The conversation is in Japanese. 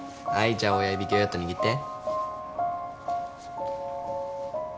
じゃあ親指ぎゅっと握って。